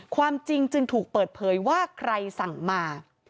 ความจริงจึงถูกเปิดเผยว่าใครสั่งมา